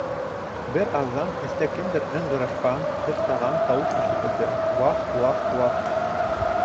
Бер аҙҙан эстә кемдер ыңғырашҡан, һыҡтаған тауыш ишетелде: «Уахх, уахх, уахх!»